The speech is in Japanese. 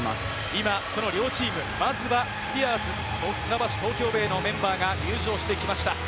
今、両チーム、まずはスピアーズ、船橋・東京ベイのメンバーが入場してきました。